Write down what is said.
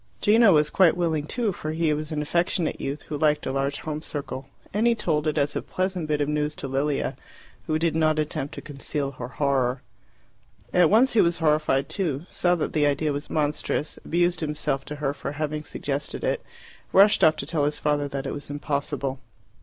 Gino was quite willing too, for he was an affectionate youth who liked a large home circle, and he told it as a pleasant bit of news to Lilia, who did not attempt to conceal her horror. At once he was horrified too; saw that the idea was monstrous; abused himself to her for having suggested it; rushed off to tell his father that it was impossible.